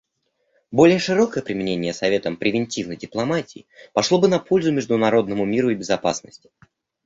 Более широкое применение Советом превентивной дипломатии пошло бы на пользу международному миру и безопасности.